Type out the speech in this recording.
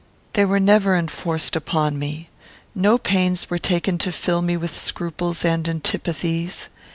They were never enforced upon me. No pains were taken to fill me with scruples and antipathies.